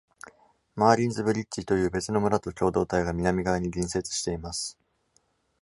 マーリンズ・ブリッジという別の村と共同体が、南側に隣接しています。